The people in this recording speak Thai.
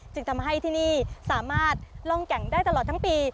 จึงทำให้ที่นี่สามารถล่องแก่งได้ตลอดทั้งปี